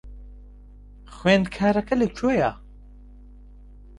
خوێندکارەکە لەکوێیە؟